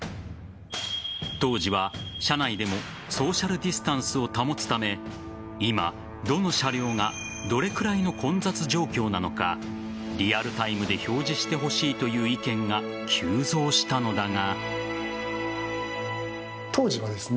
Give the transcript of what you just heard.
当時は、社内でもソーシャルディスタンスを保つため今、どの車両がどれくらいの混雑状況なのかリアルタイムで表示してほしいという意見が急増したのだが。